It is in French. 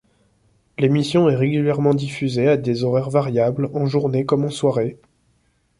L'émission est régulièrement diffusée à des horaires variables, en journée comme en soirée.